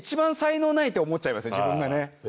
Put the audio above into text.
自分がね。